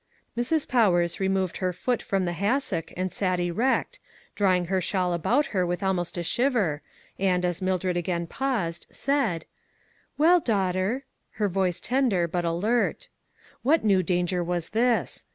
Mrs. Powers removed her foot from the hassock and sat erect, drawing her shawl about her with almost a shiver, and, as Mildred again paused, said :" Well, daughter," her voice tender, but alert. What new danger was this